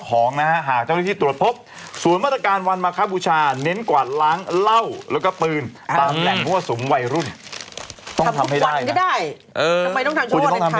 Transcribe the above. ต้องทำให้ได้นะคะคุณพุทธใช่ครับ